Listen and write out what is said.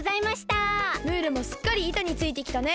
ムールもすっかりいたについてきたね。